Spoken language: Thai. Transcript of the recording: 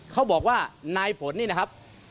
เขาบอกว่านายผลนี่นะครับ